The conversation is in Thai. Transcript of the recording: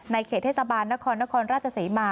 เขตเทศบาลนครนครราชศรีมา